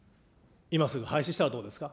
今すぐ廃止したらどうですか。